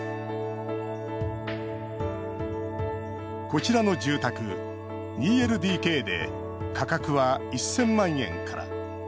こちらの住宅、２ＬＤＫで価格は１０００万円から。